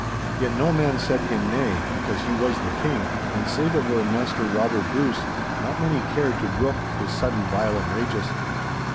Yet no man said him nay, because he was the King, and, save it were Maister Robert Bruce, not many cared to brook his sudden violent rages.